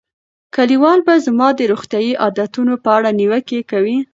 کلیوال به زما د روغتیايي عادتونو په اړه نیوکې کوي.